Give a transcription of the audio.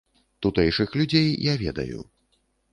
Тутэйшых людзей я ведаю.